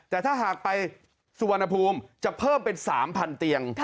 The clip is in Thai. แต่ถ้าหากไปสุวรรณภูมิจะเพิ่มเป็น๓๐๐เตียง